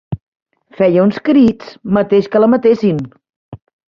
Feia uns crits mateix que la matessin.